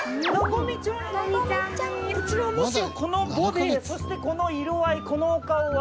こちらもしやこのボディーそしてこの色合いこのお顔は。